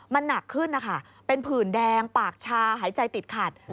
มันหนักขึ้นนะคะเป็นผื่นแดงปากชาหายใจติดขัด